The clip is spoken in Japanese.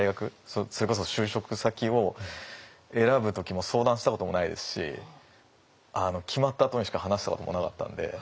それこそ就職先を選ぶ時も相談したこともないですし決まったあとにしか話したこともなかったので。